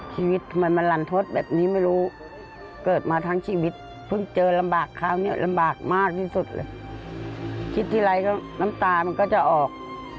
ชีวิตทำไมมันลันทศแบบนี้ไม่รู้เกิดมาทั้งชีวิตเพิ่งเจอลำบากคราวนี้ลำบากมากที่สุดเลยคิดทีไรก็น้ำตามันก็จะออก